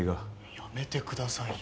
やめてくださいよ。